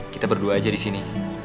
kita berdua aja disini